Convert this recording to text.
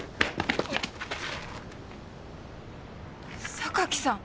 榊さん。